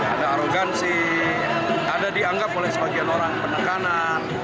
ada arogansi ada dianggap oleh sebagian orang penekanan